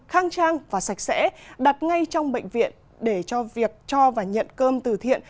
khang trang và sạch sẽ đặt ngay trong bệnh viện để cho việc cho và nhận cơm từ thiện